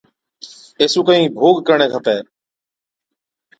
اي سُون ڪهِين ڀوڳ ڪرڻي کپَي۔